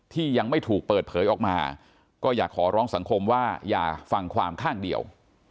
ที่ยังไม่ถูกเปิดเผยออกมาก็อยากขอร้องสังคมว่าอย่าฟังความข้างเดียว